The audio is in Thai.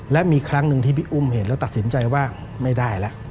และมีครั้งหนึ่งที่พี่อุ้มเห็นแล้วตัดสินใจว่าไม่ได้แล้ว